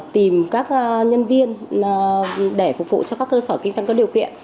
tìm các nhân viên để phục vụ cho các cơ sở kinh doanh có điều kiện